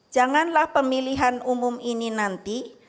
janganlah pemilihan umum ini nanti